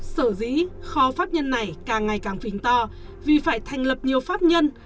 sở dĩ kho pháp nhân này càng ngày càng phình to vì phải thành lập nhiều pháp nhân